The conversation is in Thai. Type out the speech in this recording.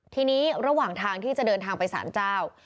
ทีนี้ระหว่างทางที่จะเดินทางไปสารเจ้า